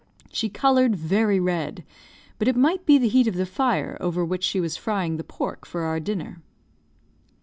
She coloured very red; but it might be the heat of the fire over which she was frying the pork for our dinner.